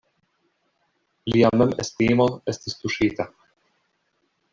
Lia memestimo estis tuŝita.